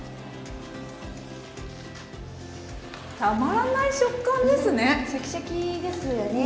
たまらない食感ですね。